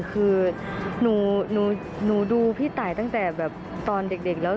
คือหนูดูพี่ตายตั้งแต่แบบตอนเด็กแล้ว